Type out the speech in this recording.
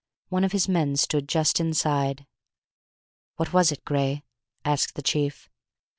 One of his men stood just inside. "What was it, Gray?" asked the chief.